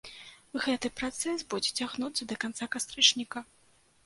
Гэты працэс будзе цягнуцца да канца кастрычніка.